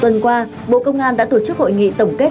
tuần qua bộ công an đã tổ chức hội nghị tổng kết